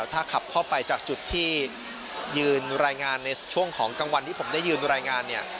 ถ้าขับเข้าไปจากจุดที่ยืนรายงานในช่วงของกลางวันที่ผมได้ยืนรายงานเนี่ย